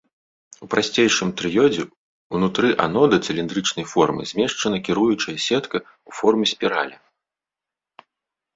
У прасцейшым трыёдзе ўнутры анода цыліндрычнай формы змешчана кіруючая сетка ў форме спіралі.